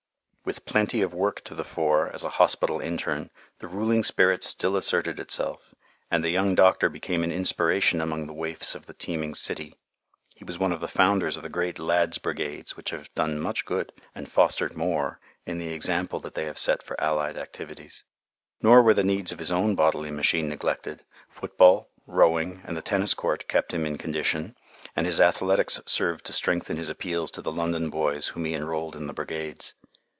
With plenty of work to the fore, as a hospital interne, the ruling spirit still asserted itself, and the young doctor became an inspiration among the waifs of the teeming city; he was one of the founders of the great Lads' Brigades which have done much good, and fostered more, in the example that they have set for allied activities. Nor were the needs of his own bodily machine neglected; football, rowing, and the tennis court kept him in condition, and his athletics served to strengthen his appeals to the London boys whom he enrolled in the brigades.